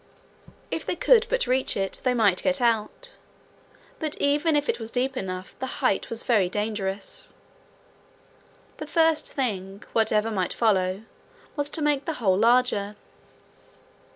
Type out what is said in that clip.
If they could but reach it, they might get out; but even if it was deep enough, the height was very dangerous. The first thing, whatever might follow, was to make the hole larger.